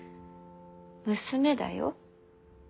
娘だよ。